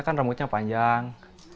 aku rambut gefek